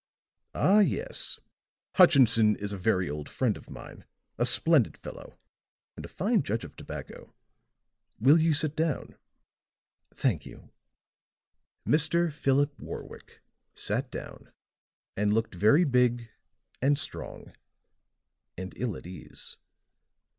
"Ah, yes. Hutchinson is a very old friend of mine, a splendid fellow, and a fine judge of tobacco. Will you sit down?" "Thank you." Mr. Philip Warwick sat down, and looked very big and strong and ill at ease.